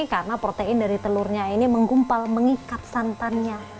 karena protein dari telurnya ini menggumpal mengikat santannya